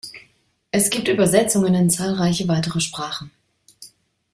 Es gibt Übersetzungen in zahlreiche weitere Sprachen.